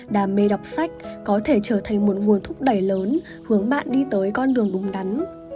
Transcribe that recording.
đam mê đọc sách có thể trở thành một nguồn thúc đẩy lớn hướng bạn đi tới con đường đúng đắn